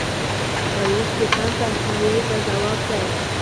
ښایست د تن تنهایی ته ځواب دی